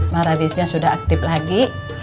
marawisnya sudah aktif lagi